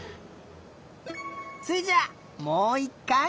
それじゃあもういっかい。